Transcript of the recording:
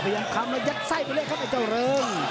ยังคำแล้วยัดไส้ไปเลยครับไอ้เจ้าเริง